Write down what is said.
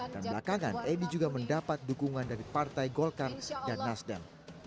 dan belakangan edi juga mendapat dukungan dari partai golkar dan nasdem